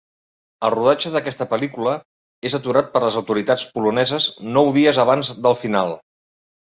El rodatge d'aquesta pel·lícula és aturat per les autoritats poloneses nou dies abans del final.